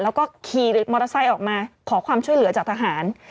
แล้วก็ขี่มอเตอร์ไซค์ออกมาขอความช่วยเหลือจากทหาร